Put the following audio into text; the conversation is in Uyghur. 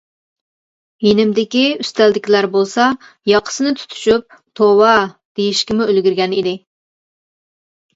يېنىمدىكى ئۈستەلدىكىلەر بولسا ياقىسىنى تۇتۇشۇپ «توۋا» دېيىشكىمۇ ئۈلگۈرگەن ئىدى.